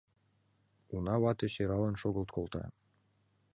Уна вате сӧралын шогылт колта.